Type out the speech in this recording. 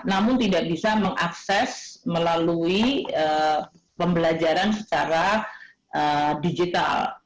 namun tidak bisa mengakses melalui pembelajaran secara digital